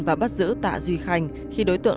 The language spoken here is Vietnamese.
và bắt giữ tạ duy khanh khi đối tượng